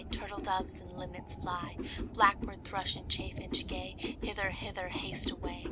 Turtle doves and linnets, fly! Blackbird, thrush, and chaffinch gay, Hither, hither, haste away!